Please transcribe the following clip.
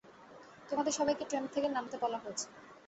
তোমাদের সবাইকে ট্রেন থেকে নামতে বলা হয়েছে।